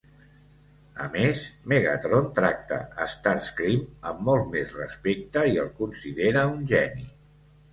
A més, Megatron tracta Starscream amb molt més respecte i el considera un geni.